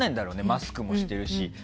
マスクもしてるし。